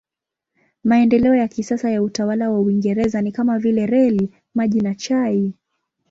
Maendeleo ya kisasa ya utawala wa Uingereza ni kama vile reli, maji na chai.